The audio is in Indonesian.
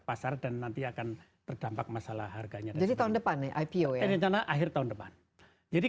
pasar dan nanti akan terdampak masalah harganya dari tahun depan nih ipo eh rencana akhir tahun depan jadi